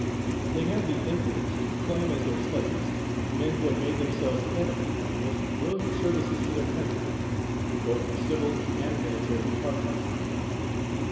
They had the impudence to claim as their slaves men who had made themselves eminent by the most brilliant services to their country, in both the civil and military departments.